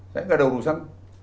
saya gak ada urusan